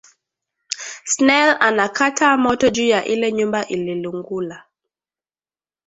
Snel anakata moto juya ile nyumba ili lungula